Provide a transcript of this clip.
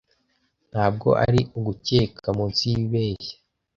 ntabwo ari ugukeka munsi yibeshya